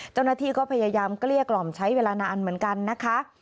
เจ้าหน้าที่ก็พยายามเกลี้ยกล่อมใช้เวลานานเหมือนกันนะคะ